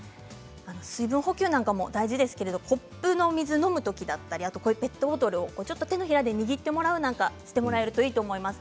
水分補給なんかも大事ですけれどコップの水を飲む時ペットボトルをちょっと手のひらで握ってもらうなどしてもらうといいと思います。